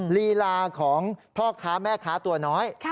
ลีลาของพ่อค้าแม่ค้าตัวน้อย